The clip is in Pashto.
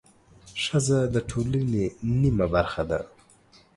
ښځه د ټولنې نیمه برخه ده